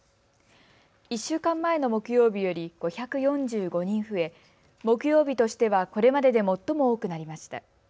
１週間前の木曜日より５４５人増え木曜日としてはこれまでで最も多くなりました。